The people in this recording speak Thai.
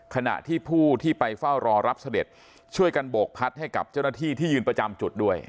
ขณะที่ผู้ที่ไปเฝ้ารอรับเสด็จช่วยกันโบกพัดให้กับเจ้าหน้าที่ที่ยืนประจำจุดด้วย